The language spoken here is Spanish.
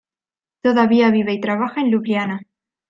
Todavía vive y trabaja en Liubliana.